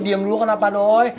diam dulu kenapa doi